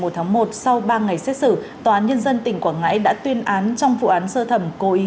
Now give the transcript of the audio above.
tháng một sau ba ngày xét xử tòa án nhân dân tỉnh quảng ngãi đã tuyên án trong vụ án sơ thẩm cố ý